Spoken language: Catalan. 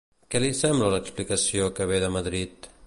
Què li sembla l'explicació que ve de Madrid?